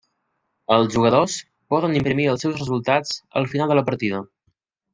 Els jugadors poden imprimir els seus resultats al final de partida.